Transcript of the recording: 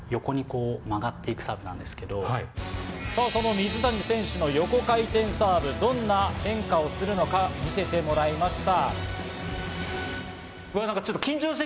水谷選手の横回転サーブ、どんな変化をするのか見せてもらいました。